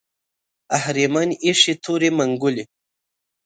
اهریمن ایښې تورې منګولې